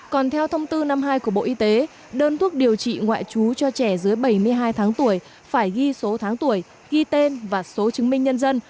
còn theo thông tư năm mươi hai của bộ y tế đơn thuốc điều trị ngoại trú cho trẻ dưới bảy mươi hai tháng tuổi phải ghi số tháng tuổi ghi tên và số chứng minh nhân dân